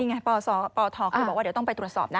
นี่ไงปศปธเขาบอกว่าเดี๋ยวต้องไปตรวจสอบนะ